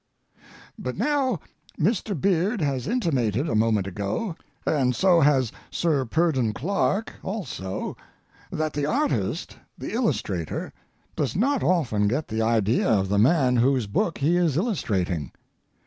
But now Mr. Beard has intimated a moment ago, and so has Sir Purdon Clarke also, that the artist, the illustrator, does not often get the idea of the man whose book he is illustrating.